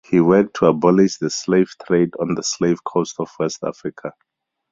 He worked to abolish the slave trade on the Slave Coast of West Africa.